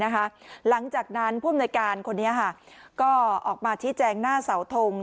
หลังจากนั้นผู้อำนวยการคนนี้ก็ออกมาชี้แจงหน้าเสาทง